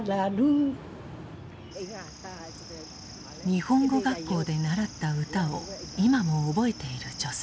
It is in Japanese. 日本語学校で習った歌を今も覚えている女性。